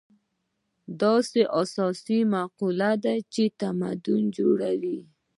دا اساسي مقولې دي چې تمدن جوړوي.